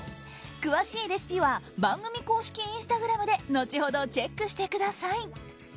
詳しいレシピは番組公式インスタグラムで後ほどチェックしてください。